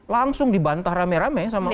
langsung dibantah rame rame sama